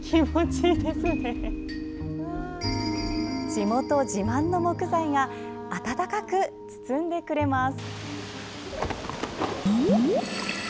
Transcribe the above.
地元自慢の木材が温かく包んでくれます。